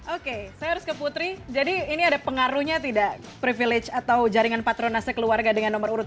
oke saya harus ke putri jadi ini ada pengaruhnya tidak privilege atau jaringan patronase keluarga dengan nomor urut tiga